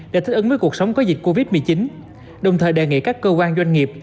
để thích ứng với cuộc sống có dịch covid một mươi chín đồng thời đề nghị các cơ quan doanh nghiệp